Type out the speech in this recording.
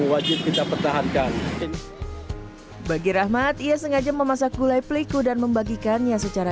wajib kita pertahankan bagi rahmat ia sengaja memasak gulai peliku dan membagikannya secara